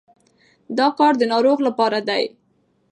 دا کار د ناروغ لپاره دی.